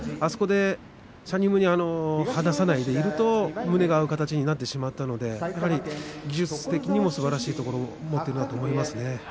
しゃにむに、離さないでいると胸が合う形になってしまったので技術的にもすばらしいところを持っているなと思いますね。